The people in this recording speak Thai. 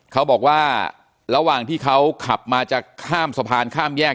เขาบอกว่าระหว่างที่เขาขับมาจะข้ามสะพานข้ามแยก